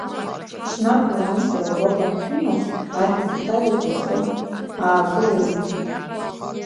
Ҽнак Леуанти аурок ахьимаз ашә Виталик ихы аакылеикит.